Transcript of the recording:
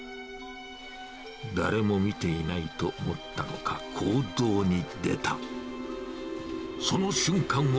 誰も見ていないと思ったのか、行動に出た。